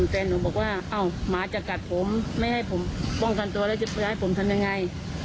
แฟนหนูบอกว่าอ้าวหมาจะกัดผมไม่ให้ผมป้องกันตัวแล้วจะให้ผมทำยังไง